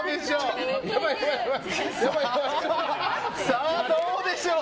さあ、どうでしょう！